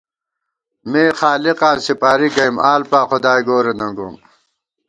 مےخالِقاں سِپاری گَئیم، آلپا خدائے گورے ننگوم